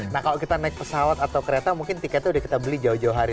nah kalau kita naik pesawat atau kereta mungkin tiketnya udah kita beli jauh jauh hari